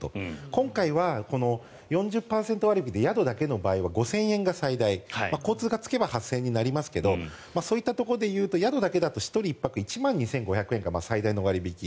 今回はこの４０％割引で宿だけの場合は５０００円が最大交通がつけば８０００円になりますがそういったところで言うと宿だけだと１人１泊１万５０００円が最大の割引。